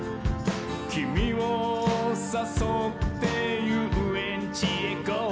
「キミをさそってゆうえんちへゴ」